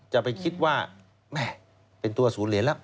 จะไปคิดว่าแม่เป็นตัวศูนย์เหรียญแล้ว